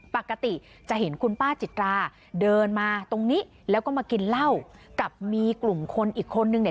ปกติจะเห็นคุณป้าจิตราเดินมาตรงนี้แล้วก็มากินเหล้ากับมีกลุ่มคนอีกคนนึงเนี่ย